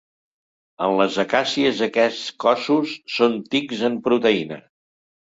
En les acàcies aquests cossos són tics en proteïna.